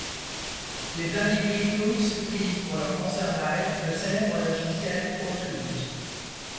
Les Bloody Beetroots utilisent, pour leurs concerts live, le célèbre logiciel Pro Tools.